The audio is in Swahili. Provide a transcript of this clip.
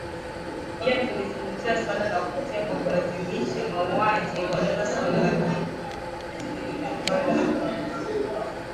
Pia tulizungumzia suala la kupotea kwa kulazimishwa mauaji holela suala la kile kinachojulikana kama